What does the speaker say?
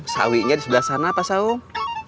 sawinya di sebelah sana pak saung